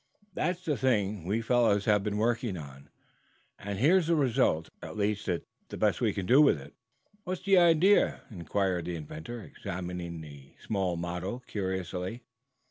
That's the thing we fellows have been working on, and here's the result. At least, it's the best we can do with it." "What's the idea?" inquired the inventor, examining the small model curiously.